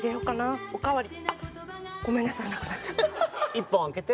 １本開けて。